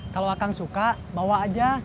kalau akan suka bawa aja